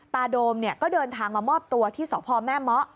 ตาโดมก็เดินทางมามอบตัวที่สอบพ่อแม่ม๊อ